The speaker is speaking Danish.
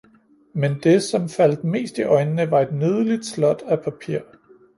men det, som faldt mest i øjnene, var et nydeligt slot af papir.